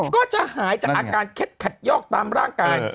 ก็จะหายจากอาการเคล็ดขัดยอกตามร่างกาย